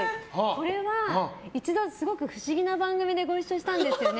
これは一度すごく不思議な番組でご一緒したんですよね。